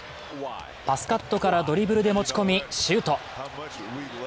パスカットからドリブルで持ち込みシュート。